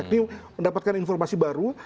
ini mendapatkan informasi baru